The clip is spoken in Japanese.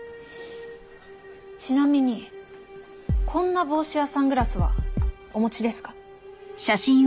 ちなみにこんな帽子やサングラスはお持ちですか？